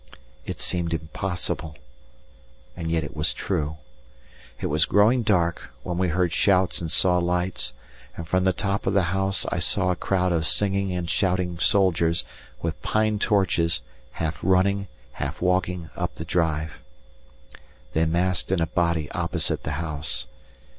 It seemed impossible and yet it was true. It was growing dark, when we heard shouts and saw lights, and from the top of the house I saw a crowd of singing and shouting soldiers, with pine torches, half running, half walking up the drive. They massed in a body opposite the house.